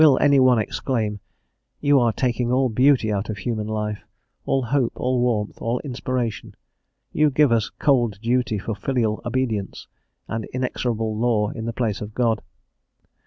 Will any one exclaim, "You are taking all beauty out of human life, all hope, all warmth, all inspiration; you give us cold duty for filial obedience, and inexorable law in the place of God?"